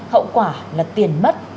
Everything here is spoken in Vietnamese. hậu quả là tiền mất